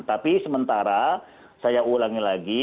tapi sementara saya ulangi lagi